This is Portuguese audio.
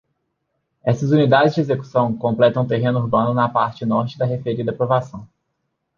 Essas unidades de execução completam o terreno urbano na parte norte da referida aprovação.